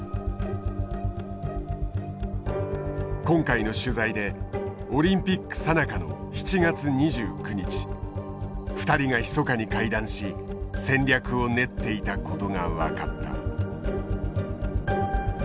今回の取材でオリンピックさなかの７月２９日２人がひそかに会談し戦略を練っていたことが分かった。